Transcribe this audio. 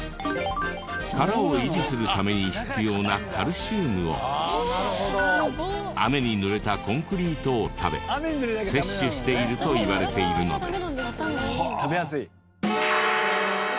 殻を維持するために必要なカルシウムを雨に濡れたコンクリートを食べ摂取しているといわれているんです。